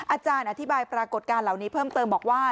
อาจารย์อธิบายปรากฏการณ์เหล่านี้เพิ่มเติมบอกว่า